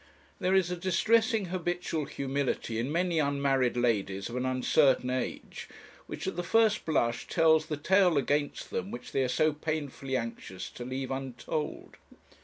There is a distressing habitual humility in many unmarried ladies of an uncertain age, which at the first blush tells the tale against them which they are so painfully anxious to leave untold.